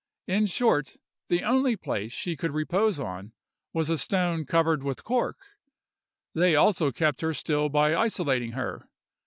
In short, the only place she could repose on, was a stone covered with cork; they also kept her still by isolating her.